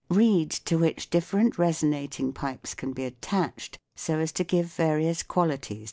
75. Reed, to which different resonating pipes can be attached so as to give various qualities to the note.